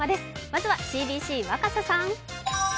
まずはＣＢＣ、若狭さん。